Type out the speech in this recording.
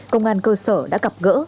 công an cơ sở đã gặp gỡ